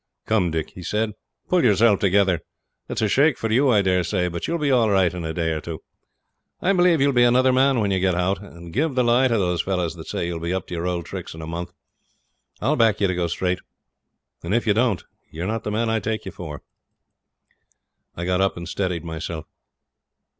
'Come, Dick,' he says, 'pull yourself together. It's a shake for you, I daresay, but you'll be all right in a day or so. I believe you'll be another man when you get out, and give the lie to these fellows that say you'll be up to your old tricks in a month. I'll back you to go straight; if you don't, you're not the man I take you for.' I got up and steadied myself.